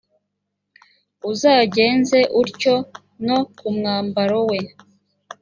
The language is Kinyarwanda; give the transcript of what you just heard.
uzagenze utyo no ku mwambaro we,